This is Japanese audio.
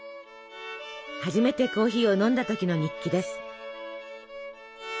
初めてコーヒーを飲んだ時の日記です。